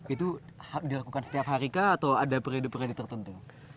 itu dilakukan setiap hari kah atau ada periode periode tertentu